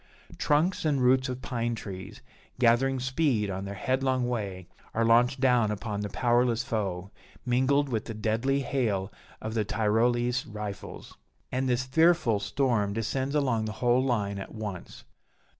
Trunks and roots of pine trees, gathering speed on their headlong way, are launched down upon the powerless foe, mingled with the deadly hail of the Tyrolese rifles. And this fearful storm descends along the whole line at once.